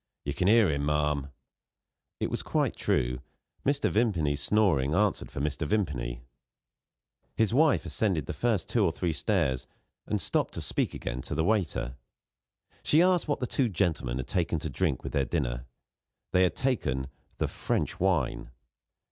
"You can hear him, ma'am." It was quite true; Mr. Vimpany's snoring answered for Mr. Vimpany. His wife ascended the first two or three stairs, and stopped to speak again to the waiter. She asked what the two gentlemen had taken to drink with their dinner. They had taken "the French wine."